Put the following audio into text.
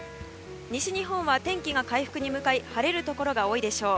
西日本は天気が回復に向かい天気が晴れるところが多いでしょう。